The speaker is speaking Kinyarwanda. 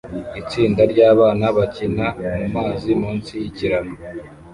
Itsinda ryabana bakina mumazi munsi yikiraro